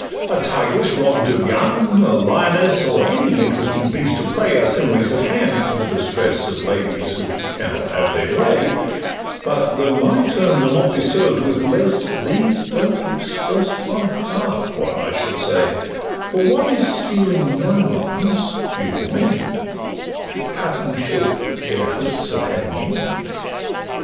A tigress robb'd of young, a lioness, Or any interesting beast of prey, Are similes at hand for the distress Of ladies who can not have their own way; But though my turn will not be served with less, These don't express one half what I should say: For what is stealing young ones, few or many, To cutting short their hopes of having any?